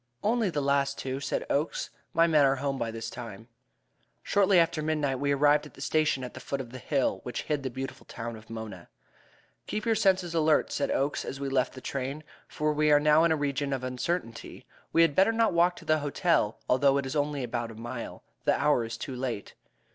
"Only the last two," said Oakes; "my men are home by this time." Shortly after midnight we arrived at the station at the foot of the hill which hid the beautiful town of Mona. "Keep your senses alert," said Oakes as we left the train, "for we are now in the region of uncertainty. We had better not walk to the hotel, although it is only about a mile. The hour is too late."